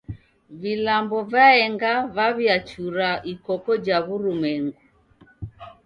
Vilambo vaenga vaw'iachura ikoko ja w'urumwengu.